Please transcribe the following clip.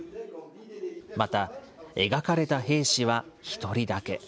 また描かれた兵士は１人だけ。